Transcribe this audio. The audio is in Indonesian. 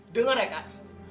dengar ya kak